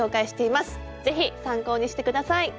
ぜひ参考にして下さい。